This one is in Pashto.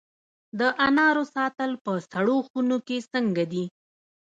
د انارو ساتل په سړو خونو کې څنګه دي؟